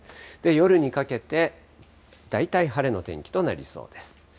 夜にかけて、大体晴れの天気となりそうです。